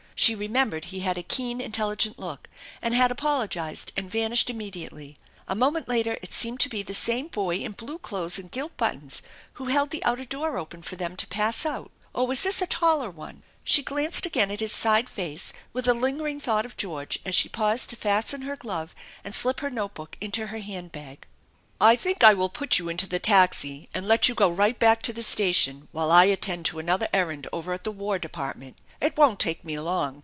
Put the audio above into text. She remembered he had a keen intelligent look, and had apologized and vanished immediately. A moment later it seemed to be the same boy in blue clothes and gilt buttons who held the outer door open for them to pass out or was this a taller one ? She glanced again at his side face with a lingering thought of George as she paused to fasten her glove and slip her note book into her hand bag. " I think I will put you into the taxi and let you go right back to the station while I attend *o another errand over at the War Department. It won't take me long.